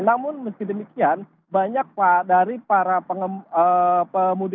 namun meski demikian banyak dari para pemudik ini yang memakai